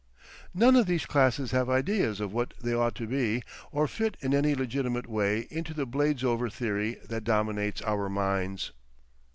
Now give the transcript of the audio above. None of these classes have ideas of what they ought to be, or fit in any legitimate way into the Bladesover theory that dominates our minds.